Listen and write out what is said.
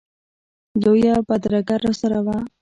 لویه بدرګه راسره وه.